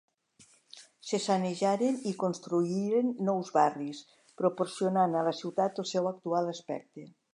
Se sanejaren i construïren nous barris, proporcionant a la ciutat el seu actual aspecte.